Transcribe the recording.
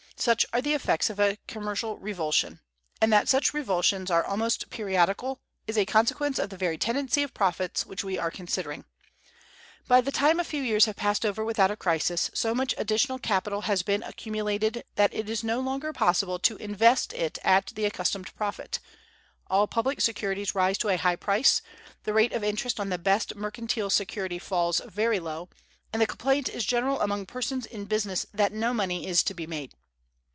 Such are the effects of a commercial revulsion; and that such revulsions are almost periodical is a consequence of the very tendency of profits which we are considering. By the time a few years have passed over without a crisis, so much additional capital has been accumulated that it is no longer possible to invest it at the accustomed profit; all public securities rise to a high price, the rate of interest on the best mercantile security falls very low, and the complaint is general among persons in business that no money is to be made.